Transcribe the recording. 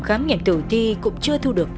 khám nghiệm tử thi cũng chưa thu được